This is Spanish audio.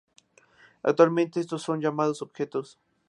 Actualmente estos son llamados objetos.